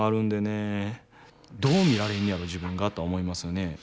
どう見られんねやろ自分がとは思いますよね。